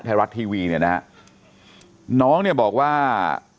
ไทยรัฐทีวีเนี่ยนะฮะน้องเนี่ยบอกว่า